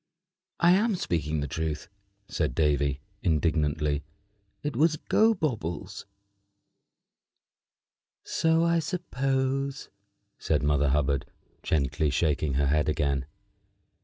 "I am speaking the truth," said Davy, indignantly. "It was Gobobbles." "So I supposed," said Mother Hubbard, gently shaking her head again.